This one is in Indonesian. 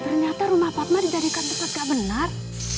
ternyata rumah fatma didadekan dekat gak benar